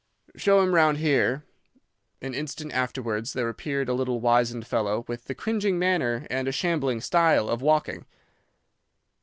"'Show him round here.' An instant afterwards there appeared a little wizened fellow with a cringing manner and a shambling style of walking.